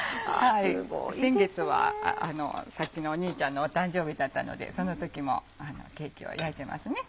先月はさっきのお兄ちゃんの誕生日だったのでその時もケーキを焼いてますね。